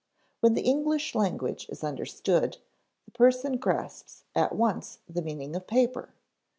When the English language is understood, the person grasps at once the meaning of "paper."